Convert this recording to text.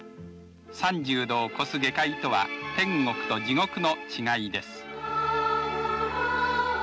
３０度を超す下界とは天国と地獄の違いです。